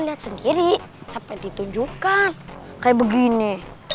lihat sendiri sampai ditunjukkan kayak begini